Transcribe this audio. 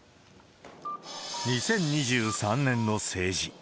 ２０２３年の政治。